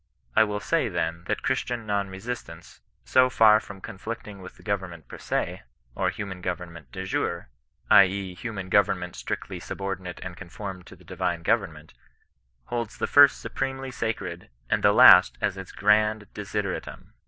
I will say, then, that Christian non resistance, so far from conflicting with government per se, or human government de jure, i. e., human go vernment strictly subordinate and conformed to the di vine government, holds the first supremely sacred, and the last as its grand desideratum.